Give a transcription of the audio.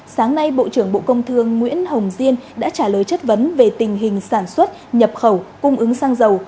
sáng nay bộ trưởng bộ công thương nguyễn hồng diên đã trả lời chất vấn về tình hình sản xuất nhập khẩu cung ứng xăng dầu